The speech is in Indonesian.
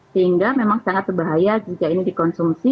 sehingga memang sangat berbahaya jika ini dikonsumsi